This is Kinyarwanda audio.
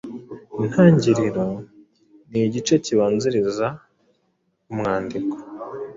IntangiriroNi igice kibanziriza umwandiko.